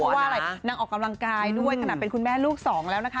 เพราะว่าอะไรนางออกกำลังกายด้วยขนาดเป็นคุณแม่ลูกสองแล้วนะคะ